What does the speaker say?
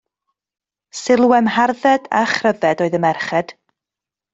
Sylwem hardded a chryfed oedd y merched.